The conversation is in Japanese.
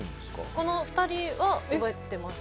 この２人は覚えてます。